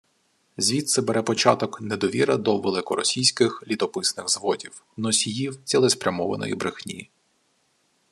Звідси бере початок недовіра до «великоросійських літописних зводів» – носіїв цілеспрямованої брехні